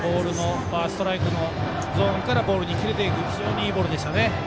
ストライクのゾーンからボールに切れていく非常にいいボールでしたね。